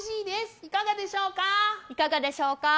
いかがでしょうか。